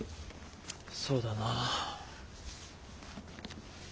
そうだな。